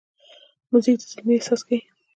موزیک د زلمي احساس ښيي.